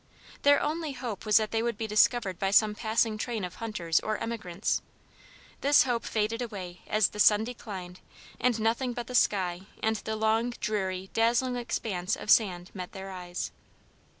Their only hope was that they would be discovered by some passing train of hunters or emigrants. This hope faded away as the sun declined and nothing but the sky and the long dreary dazzling expanse of sand met their eyes.